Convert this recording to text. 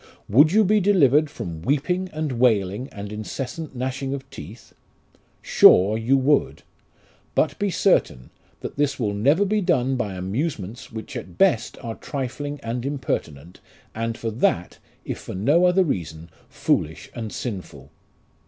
Would you be delivered from weeping and wailing, and incessant gnashing of teeth ? Sure you would ! But be certain, that this will never be done by amusements which at best are trifling and impertinent, and for that, if for no other reason, foolish and sinful.